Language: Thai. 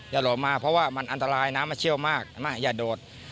หลบมาเพราะว่ามันอันตรายน้ำมันเชี่ยวมากอย่าโดด